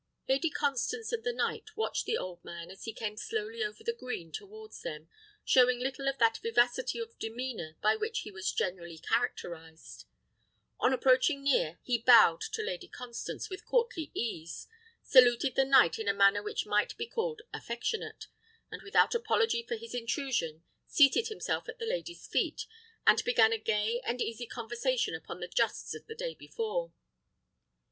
Lady Constance and the knight watched the old man as he came slowly over the green towards them, showing little of that vivacity of demeanour by which he was generally characterised. On approaching near, he bowed to Lady Constance with courtly ease, saluted the knight in a manner which might be called affectionate; and, without apology for his intrusion, seated himself at the lady's feet, and began a gay and easy conversation upon the justs of the day before.